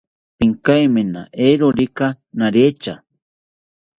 Pikaimina eerokika naretya